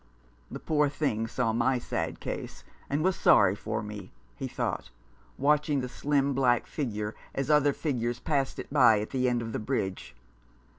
"The poor thing saw my sad case, and was sorry for me," he thought, watching the slim black figure as other figures passed it by at the end of the bridge.